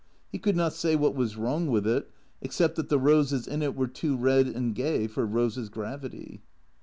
He could not say what was wrong with it except that the roses in it were too red and gay for Eose's gravity.